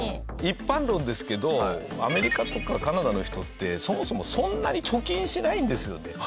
一般論ですけどアメリカとかカナダの人ってそもそもそんなに貯金しないんですよね。